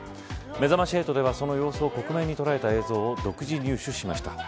めざまし８では、その様子を克明に捉えた映像を独自入手しました。